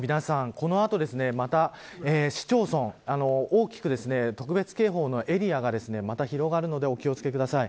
この後、また市町村大きく特別警報のエリアがまた広がるのでお気を付けください。